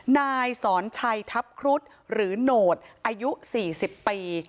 นายสอนชัยทัพครุฑหรือโหนดอายุ๔๐ปี